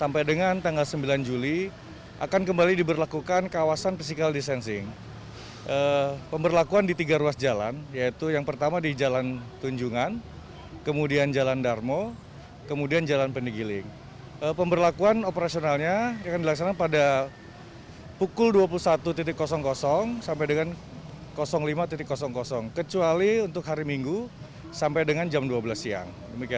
pukul dua puluh satu sampai dengan lima kecuali untuk hari minggu sampai dengan jam dua belas siang